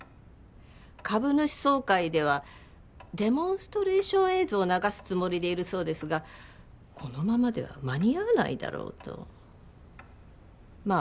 株主総会ではデモンストレーション映像を流すつもりでいるそうですがこのままでは間に合わないだろうとまあ